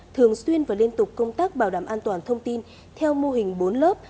thường xuyên và liên tục công tác bảo đảm an toàn thông tin theo mô hình bốn lớp